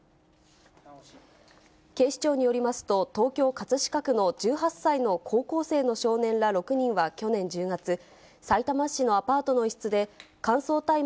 警視庁によりますと、東京・葛飾区の１８歳の高校生の少年ら６人は去年１０月、さいたま市のアパートの一室で、乾燥大麻